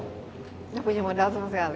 tidak punya modal sama sekali